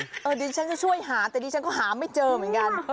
เดี๋ยวฉันจะช่วยหาแต่ดิฉันก็หาไม่เจอเหมือนกัน